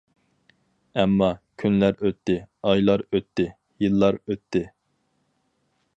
ئەمما، كۈنلەر ئۆتتى، ئايلار ئۆتتى، يىللار ئۆتتى.